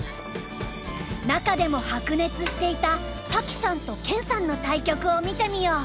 中でも白熱していた多喜さんと研さんの対局を見てみよう。